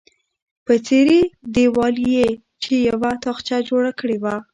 په څیرې دیوال کې یې چې یوه تاخچه جوړه کړې وه.